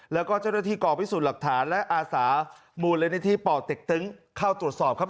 แล้วก็เจ้าหน้าที่กองพิสูจน์หลักฐานและอาสามูลนิธิป่อเต็กตึงเข้าตรวจสอบครับ